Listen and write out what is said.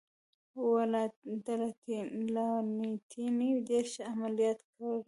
ولانتیني ډېر ښه عملیات کړي و.